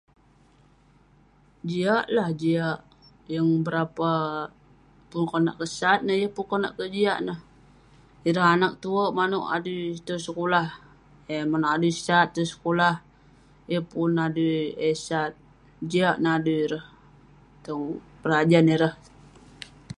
jiak lah, jiak yeng berapa pun konak kesat neh yeng pun konak kejiak neh, ireh anag tuwerk manouk adui tong sekulah, eh manouk adui sat tong sekulah, yeng pun adui eh sat, jiak neh adui ireh tong berajan ireh